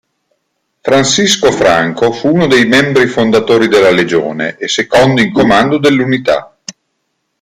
Francisco Franco fu uno dei membri fondatori della Legione e secondo in comando dell'unità.